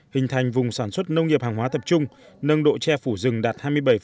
hình thành vùng sản xuất nông nghiệp hàng hóa tập trung nâng độ tre phủ rừng đạt hai mươi bảy bốn mươi ba